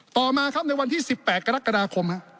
ต่อมาครับในวันที่๑๘กรกฎาคม